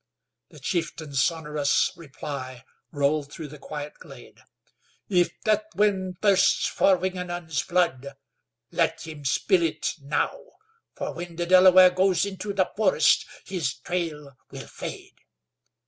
The chieftain's sonorous reply rolled through the quiet glade. "If Deathwind thirsts for Wingenund's blood, let him spill it now, for when the Delaware goes into the forest his trail will fade."